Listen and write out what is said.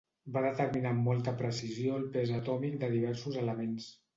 Va determinar amb molta precisió el pes atòmic de diversos elements.